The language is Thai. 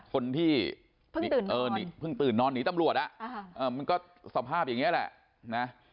คนที่เพิ่งตื่นนอนหนีตำรวจมันก็สภาพอย่างนี้แหละนะ